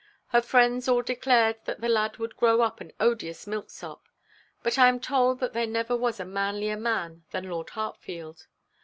Her friends all declared that the lad would grow up an odious milksop; but I am told that there never was a manlier man than Lord Hartfield.